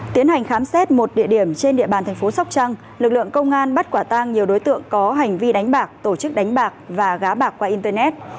tiến hành khám xét một địa điểm trên địa bàn thành phố sóc trăng lực lượng công an bắt quả tang nhiều đối tượng có hành vi đánh bạc tổ chức đánh bạc và gá bạc qua internet